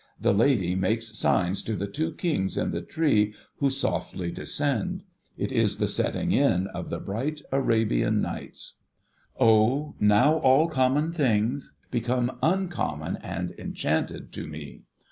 The lady makes signs to the two kings in the tree, who softly descend. It is the setting in of the bright Arabian Nights. Oh, now all common things become uncommon and enchanted to me.